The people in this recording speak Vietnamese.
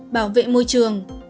bảo vệ môi trường